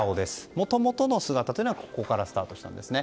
もともとの姿というのはここからスタートしたんですね。